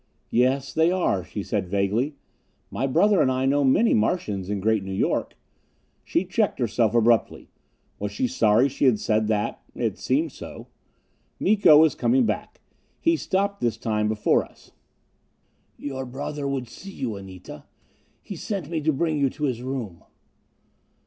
"Yes, they are," she said vaguely. "My brother and I know many Martians in Great New York." She checked herself abruptly. Was she sorry she had said that? It seemed so. Miko was coming back. He stopped this time before us. "Your brother would see you, Anita. He sent me to bring you to his room."